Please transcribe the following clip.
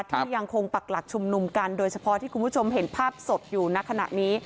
ที่ยังคงปักหลักชุมนุมกันโดยเฉพาะที่คุณผู้ชมเห็นภาพสดอยู่ในขณะนี้